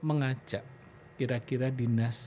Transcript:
mengajak kira kira dinas